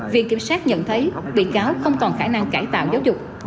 viện kiểm sát nhận thấy bị cáo không còn khả năng cải tạo giáo dục